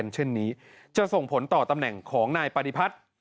จะส่งผลต่อตำแหน่งของนายปฏิพัฒน์